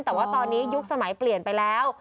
แต่ว่าตอนนี้ยุคสมัยเปลี่ยนไปแล้ว